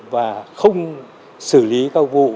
và không xử lý các vụ